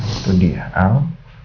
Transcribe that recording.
itu dia al